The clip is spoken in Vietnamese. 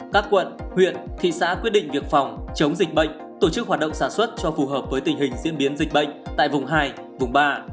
các quận huyện thị xã quyết định việc phòng chống dịch bệnh tổ chức hoạt động sản xuất cho phù hợp với tình hình diễn biến dịch bệnh tại vùng hai vùng ba